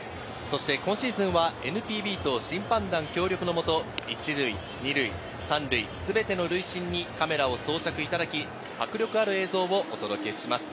今シーズンはＮＰＢと審判団協力のもと１塁、２塁、３塁、全ての塁審にカメラを装着いただき、迫力ある映像をお届けします。